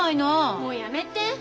もうやめて。